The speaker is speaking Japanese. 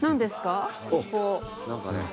何かね